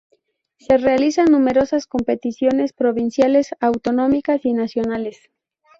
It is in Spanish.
Se realizan numerosas competiciones provinciales, autonómicas y nacionales.